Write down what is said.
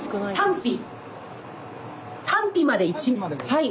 はい。